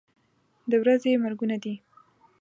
د ورځې مرګونه دي.